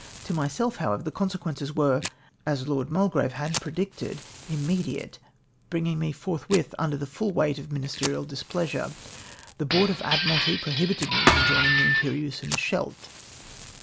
To myself, however, the consequences were — as Lord Mulgrave had predicted — immediate ; bringing me forthwith under the full weight of ministerial displeasure. The Board of Admiralty pro hibited me from joining the Imperieuse in the Scheldt.